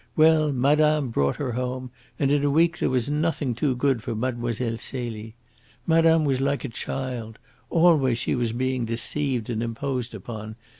Well, madame brought her home, and in a week there was nothing too good for Mlle. Celie. Madame was like a child. Always she was being deceived and imposed upon.